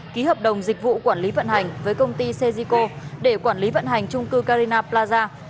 ký hợp đồng dịch vụ quản lý vận hành với công ty sejiko để quản lý vận hành trung cư carina plaza